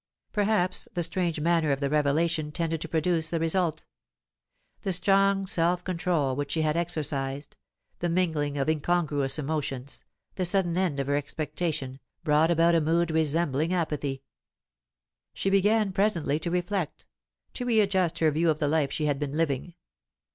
Perhaps the strange manner of the revelation tended to produce this result; the strong self control which she had exercised, the mingling of incongruous emotions, the sudden end of her expectation, brought about a mood resembling apathy. She began presently to reflect, to readjust her view of the life she had been living.